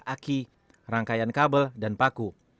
ini adalah aki rangkaian kabel dan paku